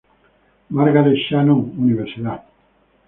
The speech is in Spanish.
Margaret Shannon, Univ.